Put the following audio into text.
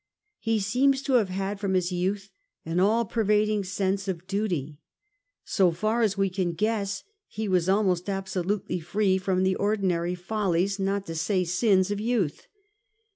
He seems to have had from his youth an all pervading sense of duty. So far as we can guess, he was almost abso lutely free from the ordinary follies, not to say sins, of youth.